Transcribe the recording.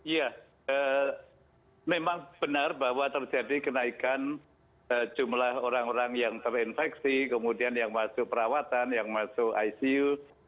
ya memang benar bahwa terjadi kenaikan jumlah orang orang yang terinfeksi kemudian yang masuk perawatan yang masuk icu